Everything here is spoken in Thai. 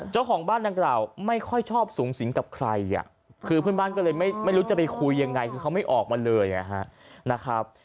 เจ้าของบ้านดังกล่าวไม่ค่อยชอบสูงสิงกับใครคือเพื่อนบ้านก็เลยไม่รู้จะไปคุยยังไงคือเขาไม่ออกมาเลยนะครับ